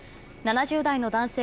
７０代の男性